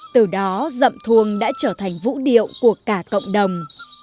từ đó dậm thuông đã trở thành vũ điệu của cả cộng đồng